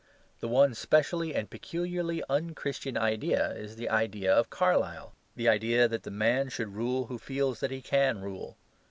The one specially and peculiarly un Christian idea is the idea of Carlyle the idea that the man should rule who feels that he can rule.